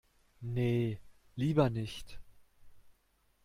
Nee, lieber nicht.